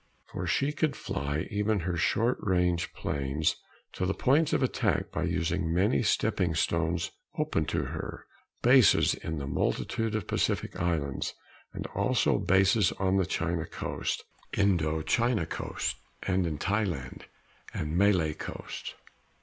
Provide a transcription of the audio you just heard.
For she could fly even her short range planes to the points of attack by using many stepping stones open to her bases in a multitude of Pacific islands and also bases on the China coast, Indo China coast, and in Thailand and Malaya coasts.